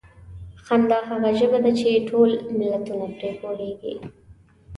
خندا هغه ژبه ده چې ټول ملتونه پرې پوهېږي.